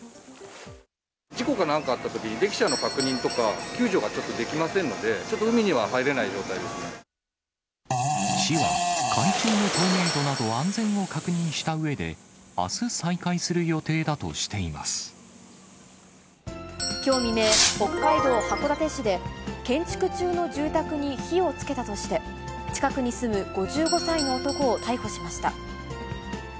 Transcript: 事故かなんかあったときに、溺者の確認とか、救助がちょっとできませんので、ちょっと海には市は、海中の透明度など、安全を確認したうえで、あす再開する予定だときょう未明、北海道函館市で、建築中の住宅に火をつけたとして、近くに住む５５歳の男を逮捕しました。